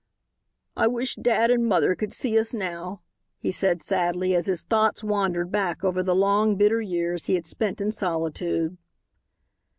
"I wish dad and mother could see us now," he said, sadly, as his thoughts wandered back over the long bitter years he had spent in solitude.